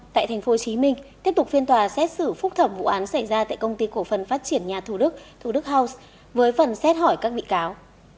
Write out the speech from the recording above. tại tp hcm tiếp tục phiên tòa xét xử phúc thẩm vụ án xảy ra tại công ty cổ phần phát triển nhà thủ đức thủ đức house với phần xét hỏi các bị cáo